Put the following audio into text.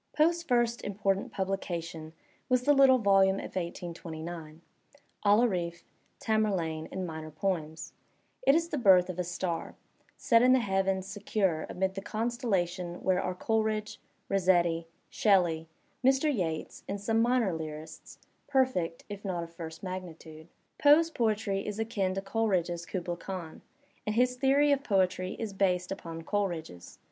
Poe^s first important publication was the little volume of 1829, Al Aaraaf, Tamerlane, and Minor Poems"; it is the birth of a star, set in the heavens secure amid the constellation where are Coleridge, Rossetti, Shelley, Mr. Yeats and some minor lyrists, perfect if not of first magnitude. Poe's poetry is akin to Coleridge's "Kubla Khan," and his theory of Digitized by Googk POE 143 poetry is based upon Coleridge's.